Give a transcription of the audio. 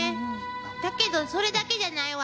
だけどそれだけじゃないわ！